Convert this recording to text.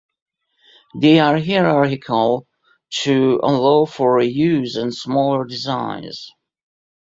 They are hierarchical to allow for reuse and smaller designs.